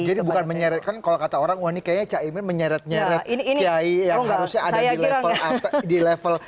jadi bukan menyeretkan kalau kata orang wah ini kayaknya caimin menyeret nyeret kiai yang harusnya ada di level